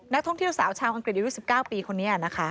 นักท่องเที่ยวสาวชาวอังกฤษอายุ๑๙ปีคนนี้นะคะ